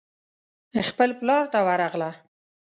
خپل پلار ته ورغله.